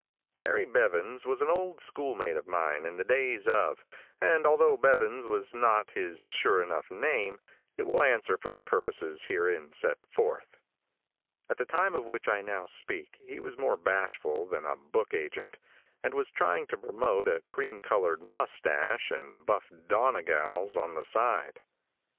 Harry Bevans was an old schoolmate of mine in the days of and although Bevans was not his sure enough name, it will answer for the purposes herein set forth. At the time of which I now speak he was more bashful than a book agent, and was trying to promote a cream colored mustache and buff "Donegals" on the side.